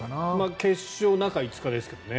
決勝は中５日ですけどね。